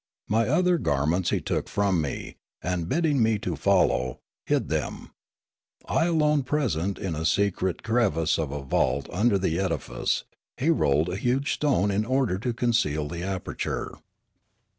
My other garments he took from me, and, bidding me follow, hid them, I alone present, in a secret crevice of a vault under the edifice; he rolled a huge stone in order to conceal the aperture.